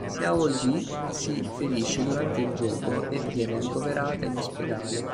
Xiao Jie si ferisce durante il gioco e viene ricoverata in ospedale.